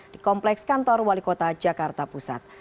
di kompleks kantor wali kota jakarta pusat